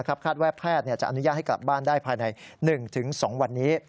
คาดว่าแพทย์จะอนุญาตให้กลับบ้านได้ภายใน๑๒วันนี้